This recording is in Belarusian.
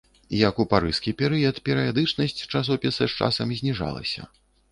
Як ў парыжскі перыяд, перыядычнасць часопіса з часам зніжалася.